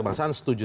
bang san setuju